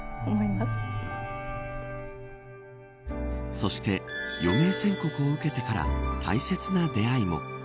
そして、余命宣告を受けてから大切な出会いも。